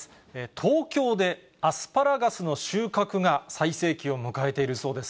東京でアスパラガスの収穫が最盛期を迎えているそうです。